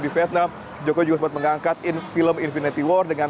di vietnam jokowi juga sempat mengangkat film infinity war dengan